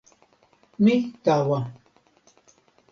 mi tawa！